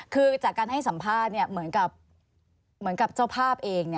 คือจากการให้สัมภาษณ์เหมือนกับเจ้าภาพเอง